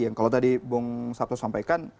yang kalau tadi bung sabto sampaikan